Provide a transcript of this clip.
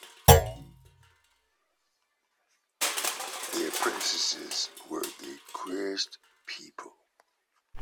The apprentices were the queerest people.